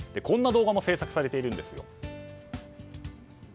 こんな動画も制作されているんです。